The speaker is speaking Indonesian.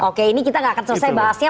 oke ini kita nggak akan selesai bahasnya